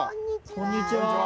こんにちは。